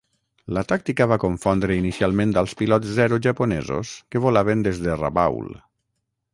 La tàctica va confondre inicialment als pilots Zero japonesos que volaven des de Rabaul.